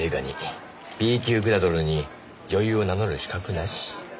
「Ｂ級グラドルに女優を名乗る資格なし！」